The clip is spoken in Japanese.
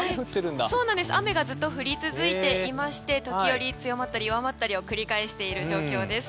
雨がずっと降り続いていまして時折強まったり弱まったりをしている状況です。